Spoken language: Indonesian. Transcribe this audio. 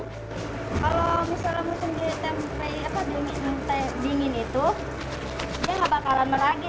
kalau misalnya musim dingin itu dia nggak bakalan meragi